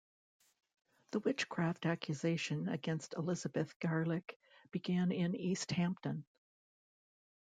The witchcraft accusation against Elizabeth Garlick began in East Hampton.